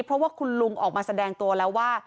เพราะว่าคุณลุงออกมาแสดงตัวแล้วว่า